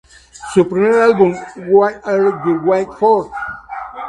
Su primer álbum What Are You Wait For?